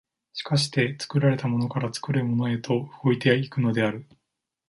而して作られたものから作るものへと動いて行くのである。